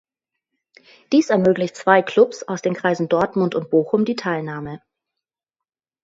Dies ermöglicht zwei Klubs aus den Kreisen Dortmund und Bochum die Teilnahme.